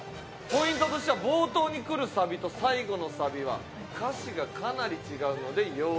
ポイントとしては冒頭にくるサビと最後のサビは歌詞がかなり違うので要注意と。